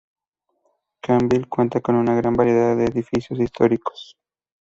Cambil cuenta con una gran variedad de edificios históricos.